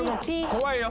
怖いよ。